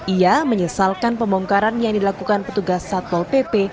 ia menyesalkan pembongkaran yang dilakukan petugas satpol pp